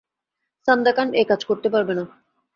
Sandakan এ কাজ করতে পারবে না।